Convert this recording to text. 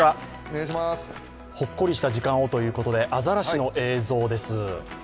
ほっこりした映像をということでアザラシの映像です。